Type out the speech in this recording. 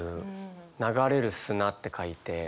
流れる砂って書いて「流砂」。